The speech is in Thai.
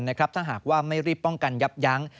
ถ้าหากว่าไม่รีบป้องกันยับยั้ง